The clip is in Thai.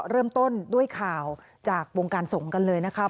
เริ่มต้นด้วยข่าวจากวงการสงฆ์กันเลยนะครับ